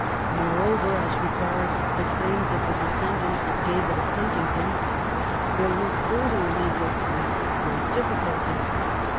Moreover, as regards the claims of the descendants of David of Huntingdon, there were further legal points of great difficulty.